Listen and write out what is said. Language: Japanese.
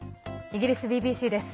イギリスＢＢＣです。